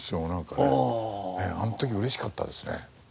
あの時嬉しかったですね。